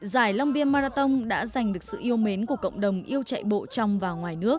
giải long biên marathon đã giành được sự yêu mến của cộng đồng yêu chạy bộ trong và ngoài nước